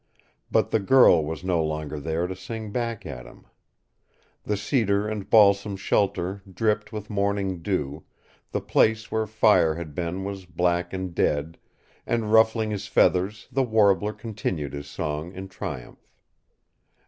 But the girl was no longer there to sing back at him. The cedar and balsam shelter dripped with morning dew, the place where fire had been was black and dead, and ruffling his feathers the warbler continued his song in triumph.